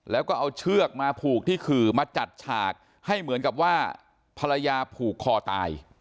แล้วก็เอาเชือกมาผูกที่ขื่อมาจัดฉากให้เหมือนกับว่าภรรยาผูกคอตาย